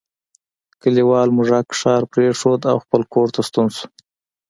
کلیوال موږک ښار پریښود او خپل کور ته ستون شو.